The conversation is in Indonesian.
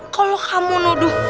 kalau kamu nuduh